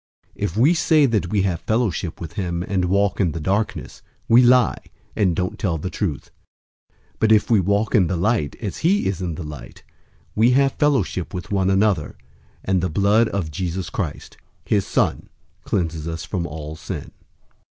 001:006 If we say that we have fellowship with him and walk in the darkness, we lie, and don't tell the truth. 001:007 But if we walk in the light, as he is in the light, we have fellowship with one another, and the blood of Jesus Christ, his Son, cleanses us from all sin.